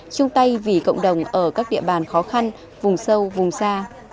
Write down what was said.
chung tay vì cộng đồng ở các địa bàn khó khăn vùng sâu vùng xa